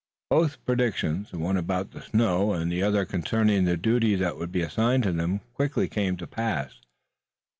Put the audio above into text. Both predictions, the one about the snow and the other concerning the duty that would be assigned to them, quickly came to pass.